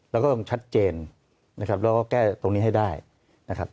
แล้วก็ต้องชัดเจนนะครับแล้วก็แก้ตรงนี้ให้ได้นะครับ